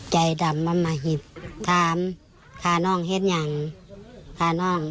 ใจดำว่ามหิตถามข้าน้องเห็นอย่าง